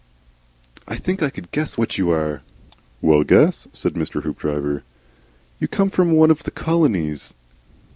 "I think I could guess what you are." "Well guess," said Mr. Hoopdriver. "You come from one of the colonies?"